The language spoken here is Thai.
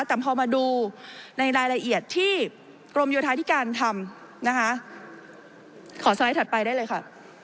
แต่พอมาดูในรายละเอียดที่กรมโยธาธิการทำนะคะขอสไลด์ถัดไปได้เลยค่ะ